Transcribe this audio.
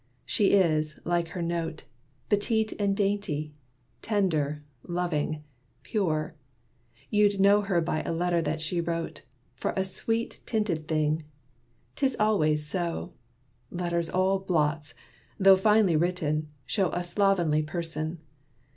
She is, like her note, Petite and dainty, tender, loving, pure. You'd know her by a letter that she wrote, For a sweet tinted thing. 'Tis always so: Letters all blots, though finely written, show A slovenly person.